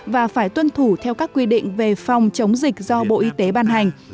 và phải tuân thủ theo các quy định về phòng chống dịch do bộ y tế ban hành